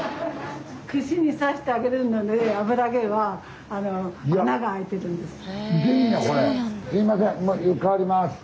串に刺して揚げるので油揚げは穴が開いてるんです。